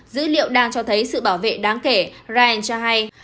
dữ liệu đang cho thấy sự bảo vệ đáng kể ryan cho hay